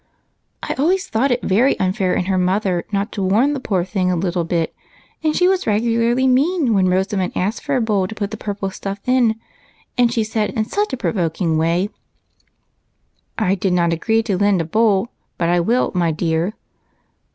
" I always thought it very unfair in her mother not to warn the poor thing a little bit ; and she was regularly mean when Rosamond asked for a bowl to put the purple stuff in, and she said, in such a pro voking way, ' I did not agree to lend you a bowl, but I will, my dear.'